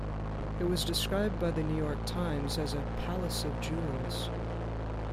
It was described by "The New York Times" as a "palace of jewels".